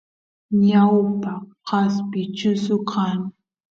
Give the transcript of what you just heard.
ñawpa kaspi chusu kan